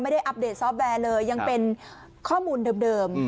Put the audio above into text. อัปเดตซอฟต์แวร์เลยยังเป็นข้อมูลเดิม